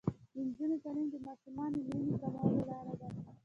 د نجونو تعلیم د ماشومانو مړینې کمولو لاره ده.